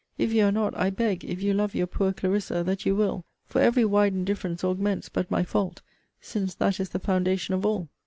If you are not, I beg, if you love your poor Clarissa, that you will; for every widened difference augments but my fault; since that is the foundation of all.